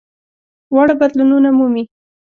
واړه بدلونونه مومي.